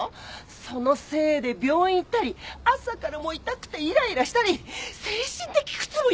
そのせいで病院行ったり朝からもう痛くていらいらしたり精神的苦痛もいいとこよ。